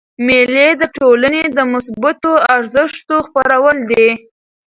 مېلې د ټولني د مثبتو ارزښتو خپرول دي.